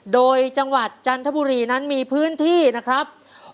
โดยจังหวัดจันทบุรีนั้นมีพื้นที่นะครับ